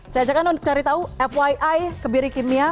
saya ajak anda untuk mengetahui fyi kebiri kimia